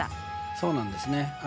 そうなんですね。